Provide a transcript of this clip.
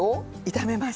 炒めます。